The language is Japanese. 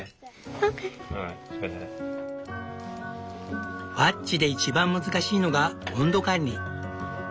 ファッジで一番難しいのが温度管理。